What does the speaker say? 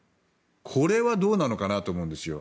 これはどうなのかなと思うんですよ。